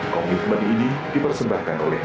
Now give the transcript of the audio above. komitmen ini dipersembahkan oleh